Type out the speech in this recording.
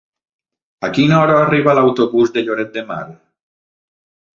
A quina hora arriba l'autobús de Lloret de Mar?